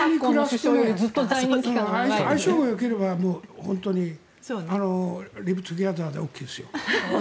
相性がよければ本当にリブ・トゥギャザーでＯＫですよ。